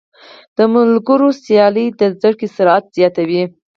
د ملګرو سیالۍ د زده کړې سرعت زیاتوي.